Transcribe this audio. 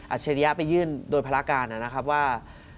อัชริยะไปยื่นโดนพลาการนะครับว่า